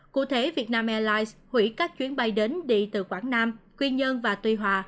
cụ thể vietnam airlines hủy các chuyến bay đến đi từ quảng nam quy nhơn và tuy hòa